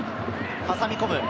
挟み込む。